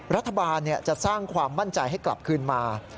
รัฐบาลจะสร้างความมั่นใจให้กลับคืนมา